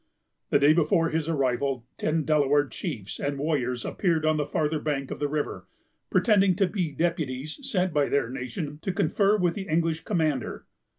The day before his arrival, ten Delaware chiefs and warriors appeared on the farther bank of the river, pretending to be deputies sent by their nation to confer with the English commander.